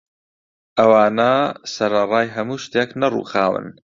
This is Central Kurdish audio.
ئەوانە سەرەڕای هەموو شتێک نەڕووخاون